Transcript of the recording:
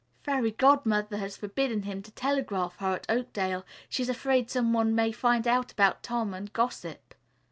Fairy Godmother has forbidden him to telegraph her at Oakdale. She is afraid some one may find out about Tom and gossip."